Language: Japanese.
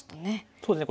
そうですね